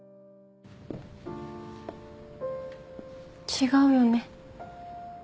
違うよね？